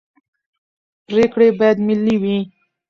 پرېکړې باید ملي وي